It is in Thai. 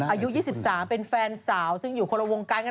อายุ๒๓เป็นแฟนสาวซึ่งอยู่คนละวงกัน